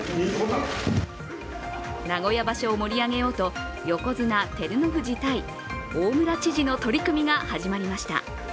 名古屋場所を盛り上げようと、横綱・照ノ富士対大村知事の取組が始まりました。